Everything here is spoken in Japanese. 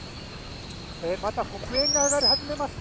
また黒煙が上がり始めました。